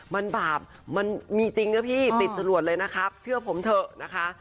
มันบาปมันมีจริงนะพี่ติดจรวดเลยนะครับเชื่อผมเถอะนะคะ